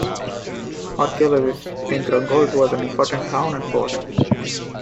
Archaeologists think Rungholt was an important town and port.